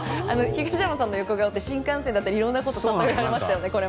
東山さんの横顔って新幹線だったりいろんなことにたとえられましたよね。